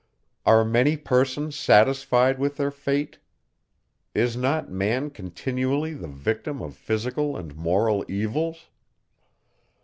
Are many persons satisfied with their fate? Is not man continually the victim of physical and moral evils?